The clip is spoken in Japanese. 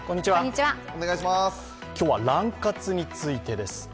今日はラン活についてです。